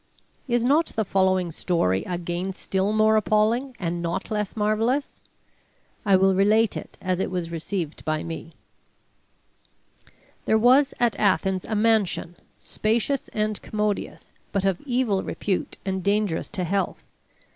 Is not the following story again still more appalling and not less marvelous? I will relate it as it was received by me: There was at Athens a mansion, spacious and commodious, but of evil repute and dangerous to health.